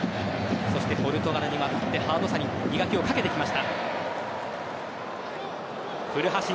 ポルトガルに渡ってハードさに磨きをかけてきました。